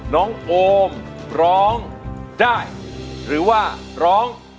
น้องโอมร้องได้หรือว่าร้อง